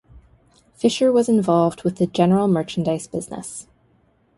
Fisher was involved with the general merchandise business.